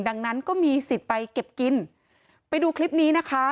ดังนั้นก็มีสิทธิ์ไปเก็บกินไปดูคลิปนี้นะคะ